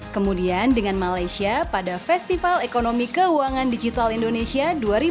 kemudian dengan malaysia pada festival ekonomi keuangan digital indonesia dua ribu dua puluh